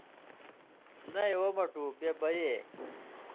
”نَیں او مٹُو بے بئ اْے،